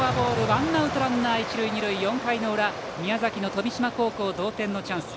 ワンアウトランナー、一塁二塁４回の裏宮崎の富島高校、同点のチャンス。